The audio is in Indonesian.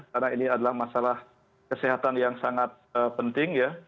karena ini adalah masalah kesehatan yang sangat penting ya